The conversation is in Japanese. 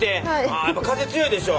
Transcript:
あやっぱ風強いでしょ